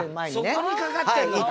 そこに掛かってるのか！